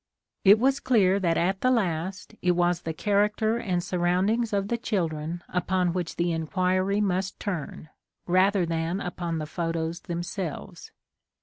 It was clear that at the last it was the character and surround ings of the children upon which the inquiry must turn, rather than upon the photos themselves.